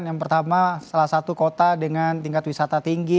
yang pertama salah satu kota dengan tingkat wisata tinggi